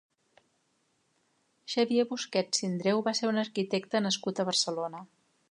Xavier Busquets Sindreu va ser un arquitecte nascut a Barcelona.